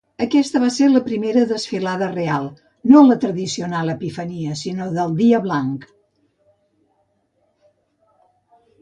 Aquesta va ser la primera desfilada real, no de la tradicional Epifania, sinó del Dia Blanc.